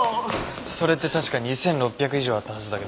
それって確か２６００以上あったはずだけど。